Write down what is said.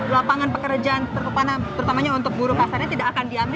lapangan pekerjaan terutama untuk buruh pasarnya tidak akan diambil